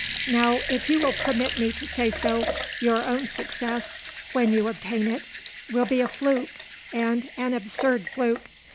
Now, if you will permit me to say so, your own success when you obtain it will be a fluke and an absurd fluke.